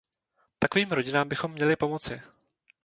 Takovým rodinám bychom měli pomoci.